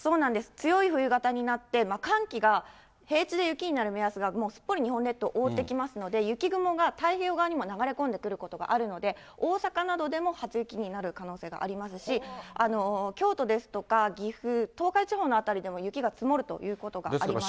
強い冬型になって、寒気が、平地で雪になる目安がもうすっぽり日本列島を覆ってきますので、雪雲が太平洋側にも流れ込んでくることがあるので、大阪などでも初雪になる可能性がありますし、京都ですとか岐阜、東海地方の辺りでも雪が積もるということがあります。